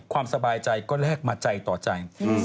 ความสบายใจก็แลกมาใจต่อใจ